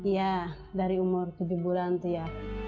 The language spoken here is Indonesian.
iya dari umur tujuh bulan tuh ya